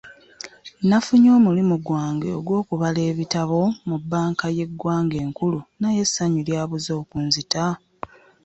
Nafunye omulimu ggwange ogw'okubala ebitabo mu banka ye ggwanga enkulu naye essanyu lyabuze okunzita.